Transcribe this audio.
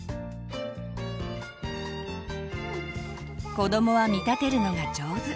子どもは見立てるのが上手。